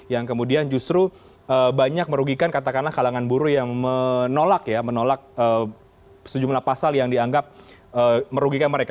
yang kemudian justru banyak merugikan katakanlah kalangan buruh yang menolak ya menolak sejumlah pasal yang dianggap merugikan mereka